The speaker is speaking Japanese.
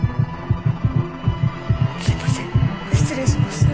すいません失礼します！